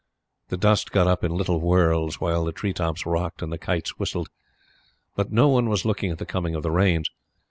The dust got up in little whorls, while the treetops rocked and the kites whistled. But no one was looking at the coming of the Rains.